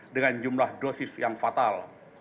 dengan jumlah dosis yang fatal